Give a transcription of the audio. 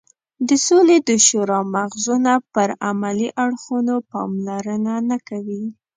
د سولې د شورا مغزونه پر عملي اړخونو پاملرنه نه کوي.